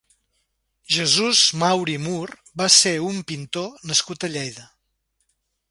Jesús Mauri Mur va ser un pintor nascut a Lleida.